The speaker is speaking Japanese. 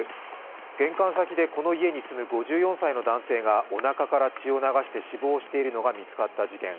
玄関先でこの家に住む５４歳の男性がおなかから血を流して死亡しているのが見つかった事件。